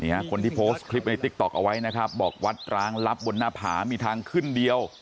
คนที่โพสต์คลิปในติ๊กต๊อกเอาไว้นะครับบอกวัดร้างลับบนหน้าผามีทางขึ้นเดียว